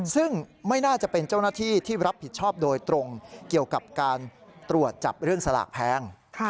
ซึ่งไม่น่าจะเป็นเจ้าหน้าที่ที่รับผิดชอบโดยตรงเกี่ยวกับการตรวจจับเรื่องสลากแพง